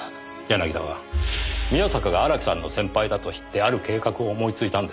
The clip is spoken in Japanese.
柳田は宮坂が荒木さんの先輩だと知ってある計画を思いついたんです。